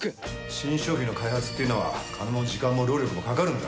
新商品の開発っていうのは金も時間も労力もかかるんだ。